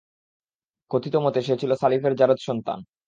কথিত মতে, সে ছিল সালিফ-এর যারজ সন্তান।